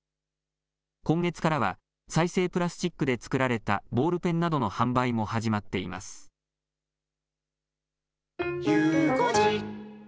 今月からは、再生プラスチックで作られたボールペンなどの販売も始まっています。